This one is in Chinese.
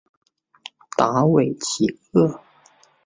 达韦齐厄。